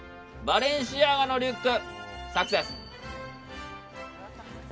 バレンシアガのリュック！